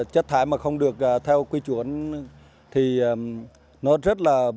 chất thải mà không được theo quy chuẩn thì nó rất là